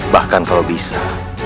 bahkan kalau bisa